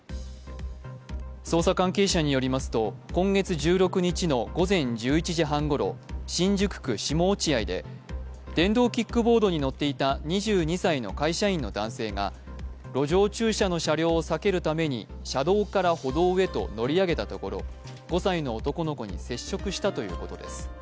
捜査関係者によりますと今月１６日の午前１１時半ごろ新宿区下落合で、電動キックボードに乗っていた２２歳の会社員の男性が路上駐車の車両を避けるために車道から歩道へと乗り上げたところ５歳の男の子に接触したということです。